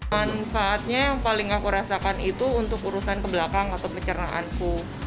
manfaatnya yang paling aku rasakan itu untuk urusan kebelakang atau pencernaanku